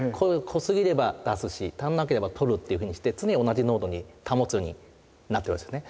濃すぎれば出すし足らなければとるっていうふうにして常に同じ濃度に保つようになってるわけですね。